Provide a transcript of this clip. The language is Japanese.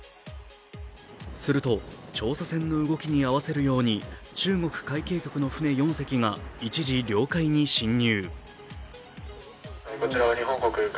すると調査船の動きに合わせるように中国海警局の船４隻が一時、領海に侵入。